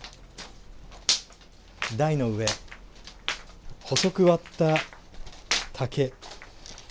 台の上、細く割った竹。